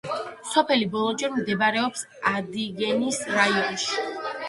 სოფელი ბოლაჯური მდებარეობს ადიგენის რაიონში.